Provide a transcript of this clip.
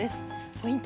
ポイント